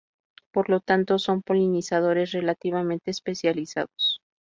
Por lo tanto son polinizadores relativamente especializados.